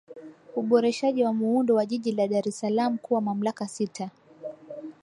Uboreshaji wa Muundo wa Jiji la Dar es Salaam kuwa mamlaka sita